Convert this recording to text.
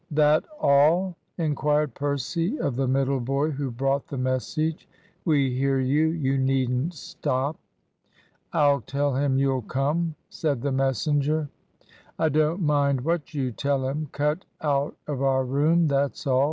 "That all?" inquired Percy of the middle boy who brought the message. "We hear you. You needn't stop." "I'll tell him you'll come?" said the messenger. "I don't mind what you tell him. Cut out of our room, that's all.